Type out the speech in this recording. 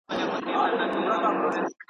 نو له هغه څخه ښځه جوړه کړي